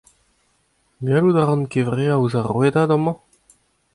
Gallout a ran kevreañ ouzh ar rouedad amañ ?